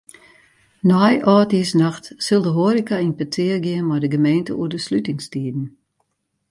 Nei âldjiersnacht sil de hoareka yn petear gean mei de gemeente oer de slutingstiden.